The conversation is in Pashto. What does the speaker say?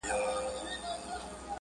دا طبيعي خبره ده چي